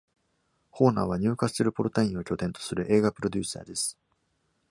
ホーナーはニューカッスルアポンタインを拠点とする映画プロデューサーです。